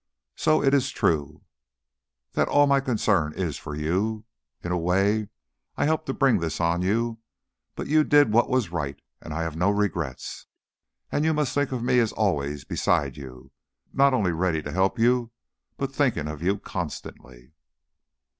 So it is true that all my concern is for you. In a way I helped to bring this on you; but you did what was right, and I have no regrets. And you must think of me as always beside you, not only ready to help you, but thinking of you constantly."